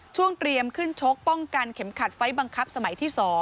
เตรียมขึ้นชกป้องกันเข็มขัดไฟล์บังคับสมัยที่๒